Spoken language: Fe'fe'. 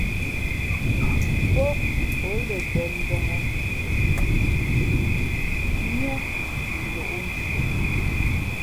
Pάʼ ǒ lα mbᾱ mbǒh cʉ̄cʉ̄ niά siʼ lōʼ nshʉαʼ.